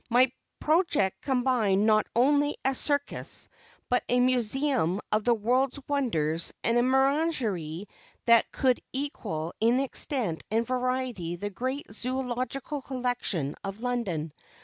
My project combined not only a circus, but a museum of the world's wonders and a menagerie that should equal in extent and variety the great zoölogical collection of London.